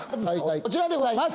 こちらでございます